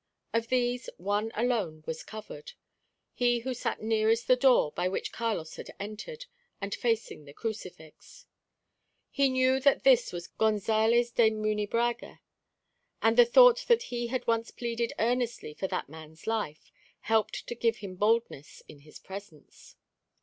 Of these, one alone was covered, he who sat nearest the door by which Carlos had entered, and facing the crucifix. He knew that this was Gonzales de Munebrãga, and the thought that he had once pleaded earnestly for that man's life, helped to give him boldness in his presence.